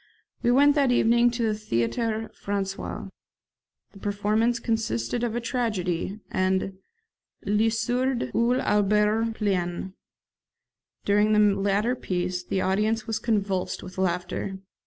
We went that evening to the Theatre Francais. The performance consisted of a tragedy; and 'Le Sourd, ou l'Auberge pleine'. During the latter piece the audience was convulsed with laughter.